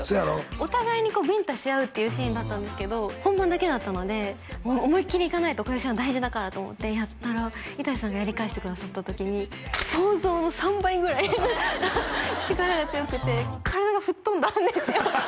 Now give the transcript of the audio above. お互いにビンタし合うっていうシーンだったんですけど本番だけだったのでおもいきりいかないとこのシーンは大事だからと思ってやったら板谷さんがやり返してくださった時に想像の３倍ぐらい力が強くて体が吹っ飛んだんですよ